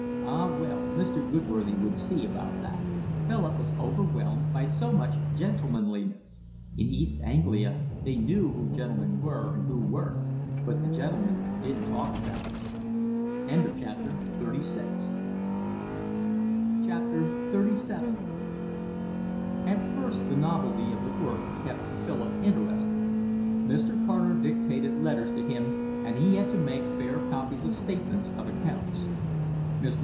Ah well, Mr. Goodworthy would see about that. Philip was overwhelmed by so much gentlemanliness: in East Anglia they knew who were gentlemen and who weren't, but the gentlemen didn't talk about it. XXXVII At first the novelty of the work kept Philip interested. Mr. Carter dictated letters to him, and he had to make fair copies of statements of accounts. Mr.